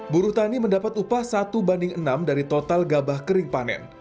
buru tani mendapat upah satu banding enam dari total gabah kering panen